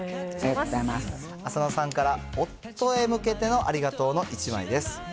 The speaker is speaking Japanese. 浅野さんから夫へ向けてのありがとうの１枚です。